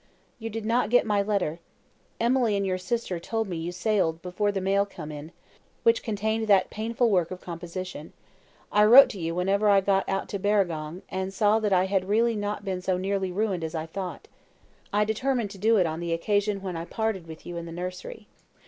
"You did not get my letter. Emily and your sister told me you sailed before the mail come in, which contained that painful work of composition. I wrote to you whenever I got out to Barragong, and saw that I really had not been so nearly ruined as I thought. I determined to do it on the occasion when I parted with you in the nursery."